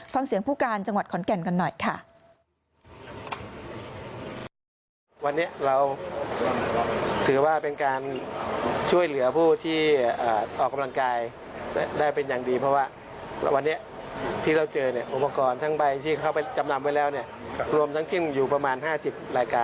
ฟังเสียงผู้การจังหวัดขอนแก่นกันหน่อยค่ะ